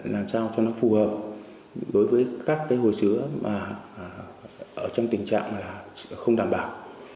làm sao cho nó phù hợp với các hồi sứa trong tình trạng không đảm bảo